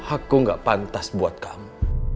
aku gak pantas buat kamu